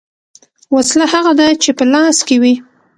ـ وسله هغه ده چې په لاس کې وي .